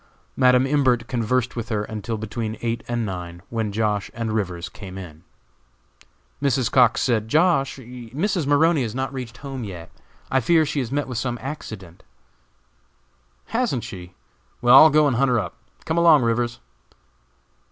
Madam Imbert conversed with her until between eight and nine, when Josh. and Rivers came in. Mrs. Cox said, "Josh., Mrs. Maroney has not reached home yet. I fear she has met with some accident." "Hasn't she? Well, I'll go and hunt her up. Come along, Rivers."